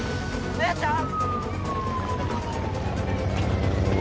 姉ちゃん！？